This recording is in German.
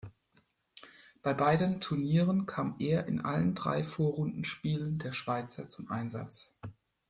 Bei beiden Turnieren kam er in allen drei Vorrundenspielen der Schweizer zum Einsatz.